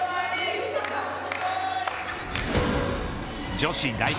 女子代表